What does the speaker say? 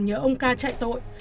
nhớ ông ca chạy tội